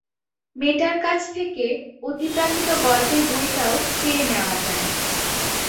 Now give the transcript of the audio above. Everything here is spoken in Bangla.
মেয়েটার কাছ থেকে অতিপ্রাকৃত গল্পের বইটাও চেয়ে নেয়া যায়।